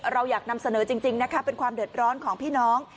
เราอยากนำเสนอจริงนะคะเป็นความเดือดร้อนของพี่น้อง